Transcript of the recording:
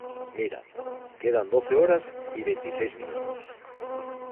mira. quedan doce horas y veintiséis minutos